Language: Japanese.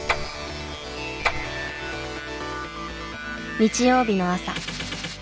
日曜日の朝。